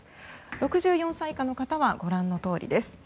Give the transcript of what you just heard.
６４歳以下の方はご覧のとおりです。